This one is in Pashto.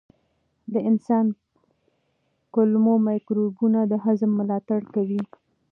د انسان کولمو مایکروبیوم د هضم ملاتړ کوي.